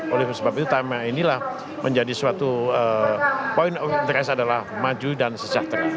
oleh sebab itu tema inilah menjadi suatu poin yang terkes adalah maju dan sejahtera